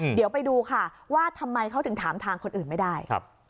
เดี๋ยวไปดูค่ะว่าทำไมเขาถึงถามทางคนอื่นไม่ได้